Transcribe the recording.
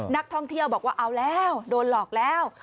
นักท่องเที่ยวบอกว่าเอาแล้วโดนหลอกแล้ว